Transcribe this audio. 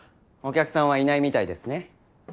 お客さんはいないみたいですね。